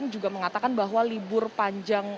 juga mengatakan bahwa libur panjang